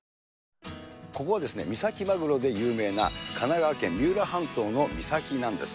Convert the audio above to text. ここは、三崎マグロで有名な神奈川県三浦半島の三崎なんです。